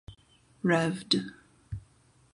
Rev’d.